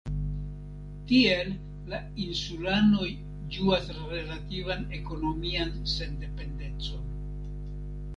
Tiel la insulanoj ĝuas relativan ekonomian sendependecon.